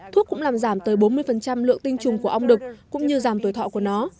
thuốc cũng làm giảm tới bốn mươi lượng tinh trùng của ong đực cũng như giảm tuổi thọ của nó